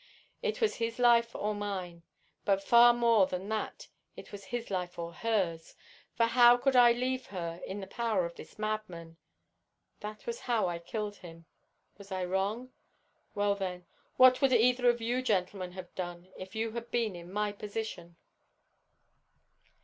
It was his life or mine, but far more than that it was his life or hers, for how could I leave her in the power of this madman? That was how I killed him. Was I wrong? Well, then, what would either of you gentlemen have done if you had been in my position?"